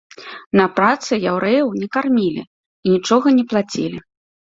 На працы яўрэяў не кармілі і нічога не плацілі.